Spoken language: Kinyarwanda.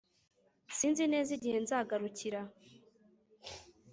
Sinzi neza igihe nzagarukira